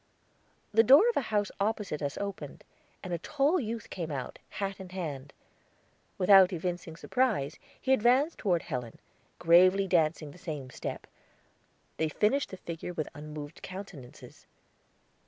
The door of a house opposite us opened, and a tall youth came out, hat in hand. Without evincing surprise, he advanced toward Helen, gravely dancing the same step; they finished the figure with unmoved countenances.